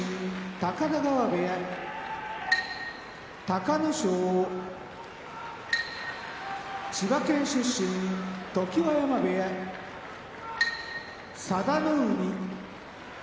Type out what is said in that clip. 高田川部屋隆の勝千葉県出身常盤山部屋佐田の海